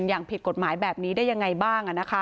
อย่างผิดกฎหมายแบบนี้ได้ยังไงบ้าง